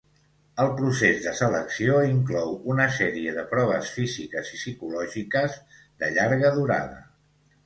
El procés de selecció inclou una sèrie de proves físiques i psicològiques de llarga durada.